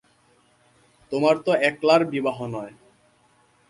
তোমার তো একলার বিবাহ নয়।